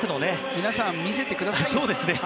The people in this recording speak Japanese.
皆さん見せてくださいよって。